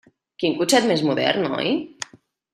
Quin cotxet més modern, oi?